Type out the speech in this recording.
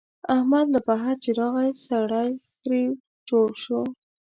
احمد له بهر چې راغی، سړی ترې جوړ شوی.